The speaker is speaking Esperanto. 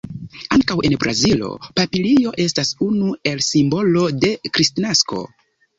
Ankaŭ en Brazilo papilio estas unu el simbolo de kristnasko.